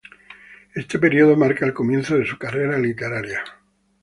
Este período marca el comienzo de su carrera literaria.